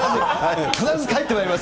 必ず帰ってまいります。